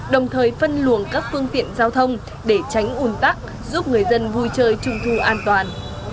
đồng thời phân luồng các phương tiện giao thông để tránh ủn tắc giúp người dân vui chơi trung thu an toàn